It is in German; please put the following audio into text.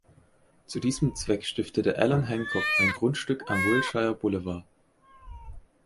Zu diesem Zweck stiftete Allan Hancock ein Grundstück am Wilshire Boulevard.